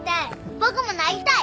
僕もなりたい。